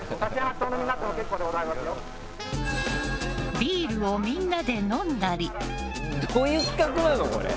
ビールをみんなで飲んだり。